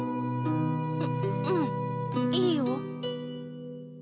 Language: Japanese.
ううんいいよ。